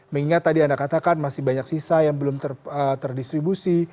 mengingat tadi anda katakan masih banyak sisa yang belum terdistribusi